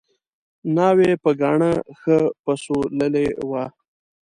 ناوې په ګاڼه ښه پسوللې وه